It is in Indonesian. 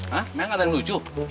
ha menga ada yang lucu